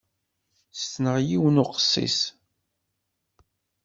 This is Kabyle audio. Ssneɣ yiwen uqessis.